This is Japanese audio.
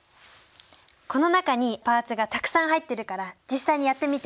この中にパーツがたくさん入ってるから実際にやってみて。